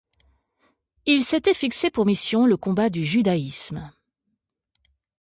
Il s'était fixé pour mission le combat du judaïsme.